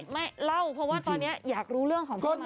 ไม่เล่าเพราะว่าตอนนี้อยากรู้เรื่องของต้นไม้